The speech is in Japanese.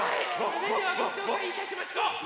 それではごしょうかいいたしましょう！